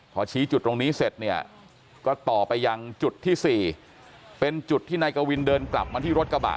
พอชี้จุดตรงนี้เสร็จเนี่ยก็ต่อไปยังจุดที่๔เป็นจุดที่นายกวินเดินกลับมาที่รถกระบะ